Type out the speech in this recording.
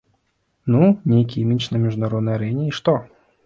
Ну, нейкі імідж на міжнароднай арэне, і што?